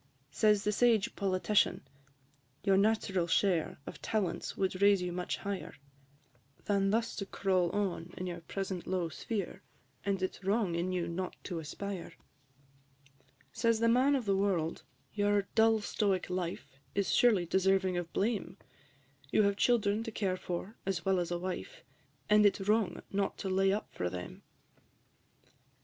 Says the sage Politician, "Your natural share Of talents would raise you much higher, Than thus to crawl on in your present low sphere, And it 's wrong in you not to aspire." III. Says the Man of the World, "Your dull stoic life Is surely deserving of blame? You have children to care for, as well as a wife, And it 's wrong not to lay up for them."